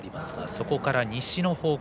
そこから西の方向